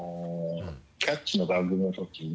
「キャッチ！」の番組のときに。